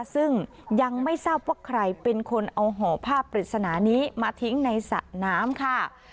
ซึ่งยังไม่ทราบว่าใครเป็นคนเอาห่อผ้าปริศนานี้มาทิ้งในสระน้ำค่ะ